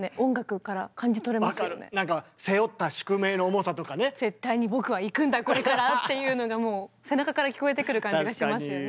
そういうところが「絶対に僕は行くんだこれから」っていうのがもう背中から聞こえてくる感じがしますよね。